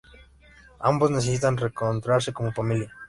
Ambos necesitan reencontrarse como familia.